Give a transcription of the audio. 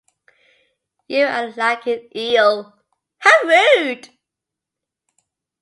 You are like an eel.